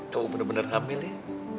kamu bener bener hamil ya